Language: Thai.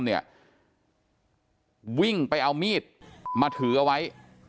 เพราะว่าผู้หญิงเสื้อสีส้มวิ่งไปเอามีดมาถือไว้